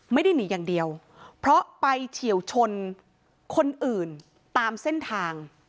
ไม่ได้หนีอย่างเดียวเพราะไปเฉียวชนคนอื่นตามเส้นทาง